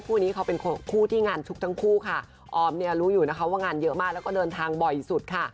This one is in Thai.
คุณแอมต์เนี่ยรู้อยู่นะคะว่างานเยอะมากแล้วก็เดินทางบ่อยสุดค่ะ